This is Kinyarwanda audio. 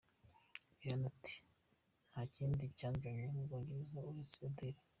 Rihanna ati: ‘Ntakindi cyanzanye mu Bwongereza, uretse Adele.